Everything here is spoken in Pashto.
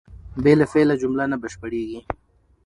بې له فعله جمله نه بشپړېږي.